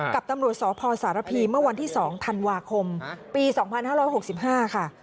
กับตำรวจสพสารพีเมื่อวันที่๒ธันวาคมปี๒๕๖๕ค่ะ